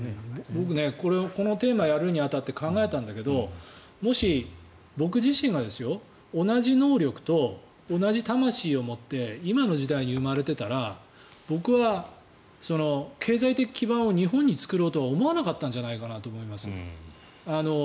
僕ねこのテーマをやるに当たって考えたんだけどもし、僕自身が同じ能力と同じ魂を持って今の時代に生まれていたら僕は経済的基盤を日本に作ろうとは思わなかったんじゃないかと思いますよ。